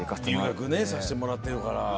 留学させてもらってるから。